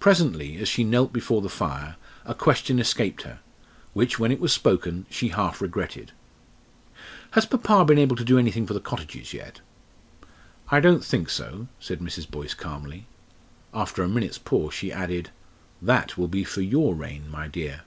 Presently, as she knelt before the fire, a question escaped her, which, when it was spoken, she half regretted. "Has papa been able to do anything for the cottages yet?" "I don't think so," said Mrs. Boyce, calmly. After a minute's pause she added, "That will be for your reign, my dear."